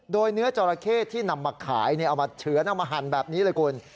โดยเนื้อจราเข้ที่นำมาขายเอามาเฉือนเอามาหั่นแบบนี้เลยคุณ